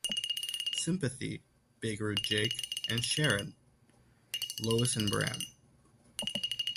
Sympathy, Big Rude Jake, and Sharon, Lois and Bram.